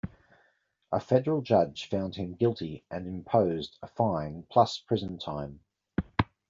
A federal judge found him guilty and imposed a fine plus prison time.